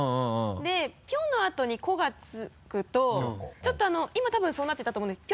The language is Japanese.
で「ぴょ」の後に「こ」がつくとちょっと今多分そうなってたと思うんですけど。